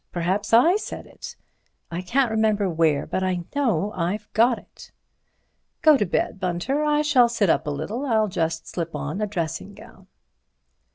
Perhaps I said it. I can't remember where, but I know I've got it. Go to bed, Bunter, I shall sit up a little. I'll just slip on a dressing gown."